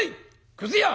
くず屋！」。